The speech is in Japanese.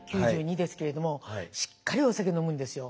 ９２ですけれどもしっかりお酒飲むんですよ。